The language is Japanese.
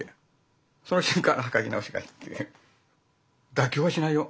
妥協はしないよ